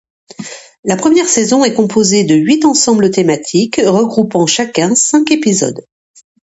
La première saison est composée de huit ensembles thématiques regroupant chacun cinq épisodes.